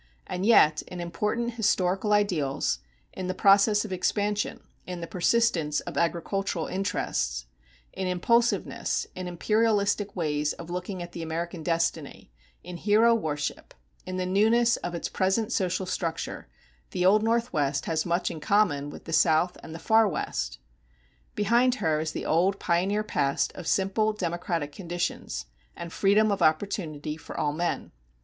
And yet in important historical ideals in the process of expansion, in the persistence of agricultural interests, in impulsiveness, in imperialistic ways of looking at the American destiny, in hero worship, in the newness of its present social structure the Old Northwest has much in common with the South and the Far West. Behind her is the old pioneer past of simple democratic conditions, and freedom of opportunity for all men.